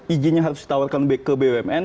izinnya harus ditawarkan ke bumn